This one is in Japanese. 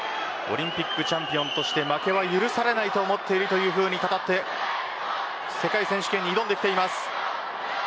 オリンピックチャンピオンとして負けは許されないと思っているというふうに語って世界選手権に挑んできています。